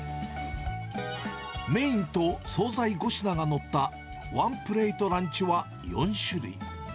メインと総菜５品が載ったワンプレートランチは４種類。